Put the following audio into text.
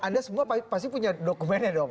anda semua pasti punya dokumennya dong